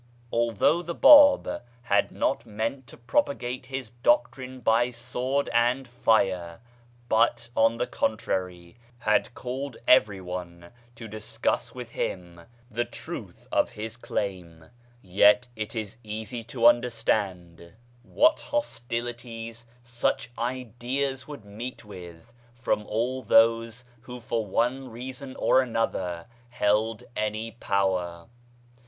Although the Bab had not meant to propagate his doctrine by sword and fire, but, on the contrary, had called everyone to discuss with him the truth of his claim, yet it is easy to understand what hostilities BABISM 39 such ideas would meet with from all those who for one reason or another held any power.